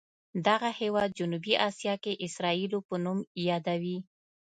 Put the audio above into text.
دغه هېواد جنوبي اسیا کې اسرائیلو په نوم یادوي.